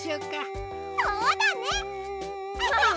そうだね！